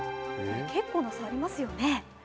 結構な差がありますよね。